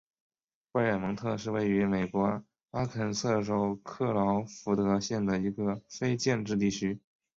贝尔蒙特是位于美国阿肯色州克劳福德县的一个非建制地区。